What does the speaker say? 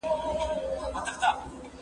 زه له سهاره انځورونه رسم کوم؟